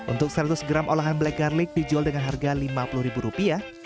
untuk seratus gram olahan black garlic dijual dengan harga rp lima puluh